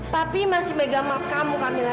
papi masih megang map kamu kamila